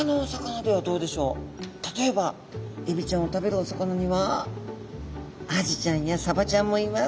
例えばエビちゃんを食べるお魚にはアジちゃんやサバちゃんもいます。